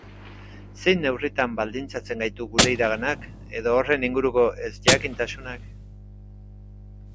Zein neurritan baldintzatzen gaitu gure iraganak edo horren inguruko ezjakintasunak?